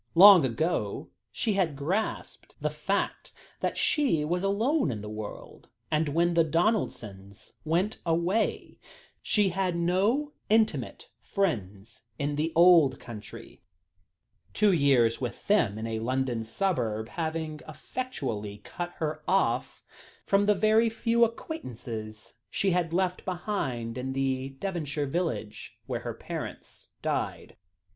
Long ago, she had grasped the fact that she was alone in the world, and when the Donaldsons went away, she had no intimate friends in the old country two years of life with them in a London suburb having effectually cut her off from the very few acquaintances she had left behind, in the Devonshire village, where her parents died.